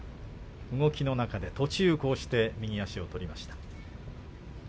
動きの中で途中右足を取りました。